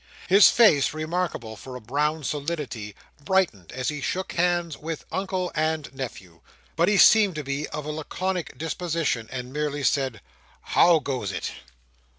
His face, remarkable for a brown solidity, brightened as he shook hands with Uncle and nephew; but he seemed to be of a laconic disposition, and merely said: "How goes it?"